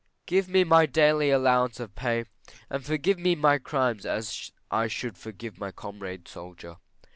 Give me my daily allowance of pay; and forgive me my crimes as I should forgive my comrade soldier.